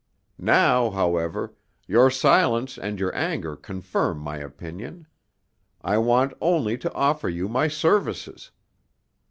Now, however; your silence and your anger confirm my opinion. I want only to offer you my services.